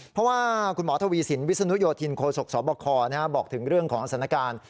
เพราะว่าคุณหมอทวีสินวิศนุโยธินโคศกสบคบอกถึงเรื่องของสถานการณ์